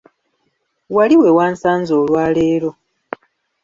Wali we wansanze olwa leero.